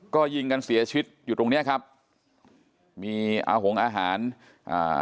ก็ยิงกันเสียชีวิตอยู่ตรงเนี้ยครับมีอาหงอาหารอ่า